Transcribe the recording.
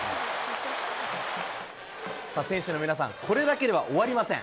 選手の皆さん、これだけでは終わりません。